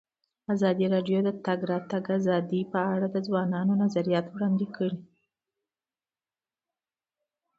ازادي راډیو د د تګ راتګ ازادي په اړه د ځوانانو نظریات وړاندې کړي.